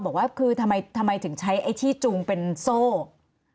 บอกว่าแทบสนาพว่าทำไมถึงใช้ไอ้ที่จูงเป็นโซล